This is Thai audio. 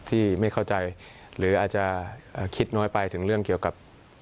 ที่ไม่เข้าใจหรืออาจจะคิดน้อยไปถึงเรื่องเกี่ยวกับ